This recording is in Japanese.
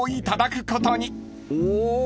お！